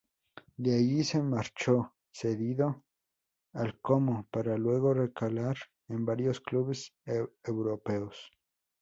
De allí se marchó cedido al Como, para luego recalar en varios clubes europeos.